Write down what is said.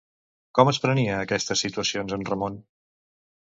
Com es prenia aquestes situacions en Ramon?